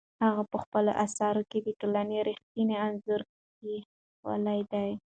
هغه په خپلو اثارو کې د ټولنې رښتینی انځور کښلی دی.